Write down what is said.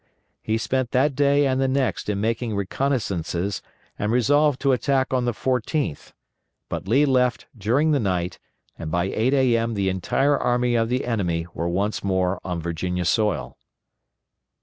He spent that day and the next in making reconnoissances and resolved to attack on the 14th; but Lee left during the night, and by 8 A.M. the entire army of the enemy were once more on Virginia soil.